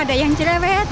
ada yang cerewet